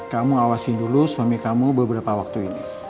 kamu awasin dulu suami kamu beberapa waktu ini